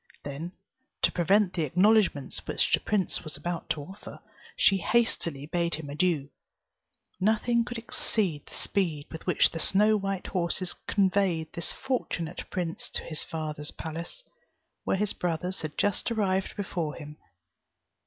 Then, to prevent the acknowledgments which the prince was about to offer, she hastily bade him adieu. Nothing could exceed the speed with which the snow white horses conveyed this fortunate prince to his father's palace, where his brothers had just arrived before him.